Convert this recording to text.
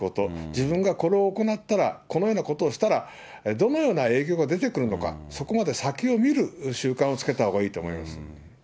自分がこれを行ったら、このようなことをしたら、どのような影響が出てくるのか、そこまで先を見る習慣をつけたほうがいいと思います。